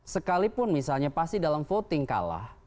sekalipun misalnya pasti dalam voting kalah